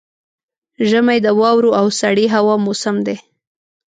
ژمی د واورو او سړې هوا موسم دی.